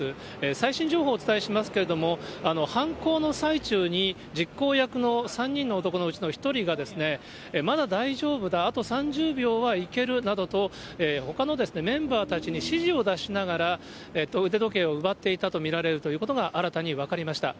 最新情報をお伝えしますけれども、犯行の最中に実行役の３人の男のうちの１人が、まだ大丈夫だ、あと３０秒はいけるなどと、ほかのメンバーたちに指示を出しながら、腕時計を奪っていたと見られるということが新たに分かりました。